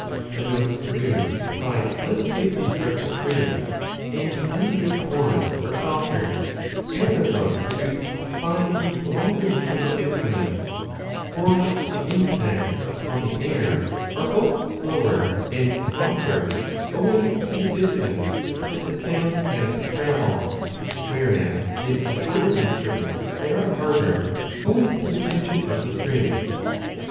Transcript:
The notes produced by less tightly stretched strings and unbaked horns are softer, as are those produced by the longer musical instruments ; for the impacts upon the air are both slower and softer owing to 35 the distance that the sound has to travel, whereas in the shorter instruments they are harder owing to the tension of the strings.